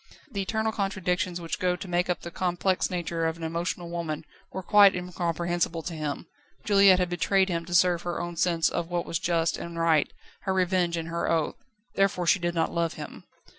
The eternal contradictions which go to make up the complex nature of an emotional woman were quite incomprehensible to him. Juliette had betrayed him to serve her own sense of what was just and right, her revenge and her oath. Therefore she did not love him.